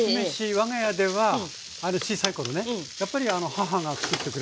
我が家では小さい頃ねやっぱり母がつくってくれましたけども。